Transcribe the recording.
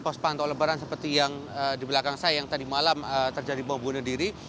pos pantau lebaran seperti yang di belakang saya yang tadi malam terjadi bom bunuh diri